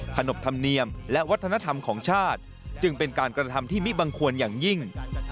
ขนบธรรมเนียมและวัฒนธรรมของชาติจึงเป็นการกระทำที่มิบังควรอย่างยิ่ง